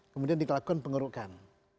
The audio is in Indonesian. kemudian dilakukan pengurukan